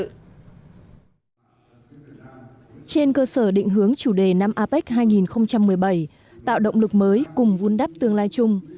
trên cơ sở định hướng chủ đề năm apec hai nghìn một mươi bảy tạo động lực mới cùng vun đắp tương lai chung